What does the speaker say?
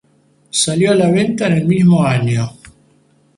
Salió a la venta en el mismo año.